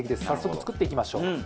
早速、作っていきましょう。